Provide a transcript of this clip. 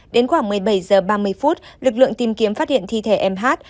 đến khoảng một mươi bảy h ba mươi phút lực lượng tìm kiếm phát hiện thi thể em hát